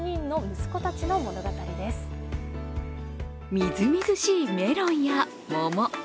みずみずしいメロンや桃。